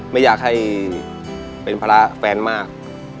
ไม่อยากให้เป็นภาระแฟนมาก